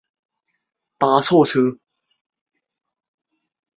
一对日本情侣也搭错车